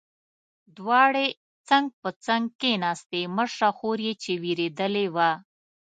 دواړې څنګ په څنګ کېناستې، مشره خور یې چې وېرېدلې وه.